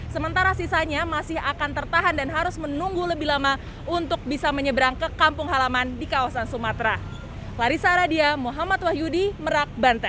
sementara sisanya masih akan tertahan dan harus menunggu lebih lama untuk bisa menyeberang ke kampung halaman di kawasan sumatera